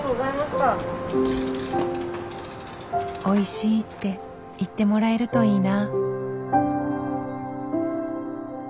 「おいしい」って言ってもらえるといいな。